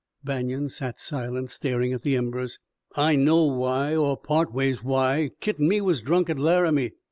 Banion sat silent, staring at the embers. "I know why, or part ways why. Kit an' me was drunk at Laramie.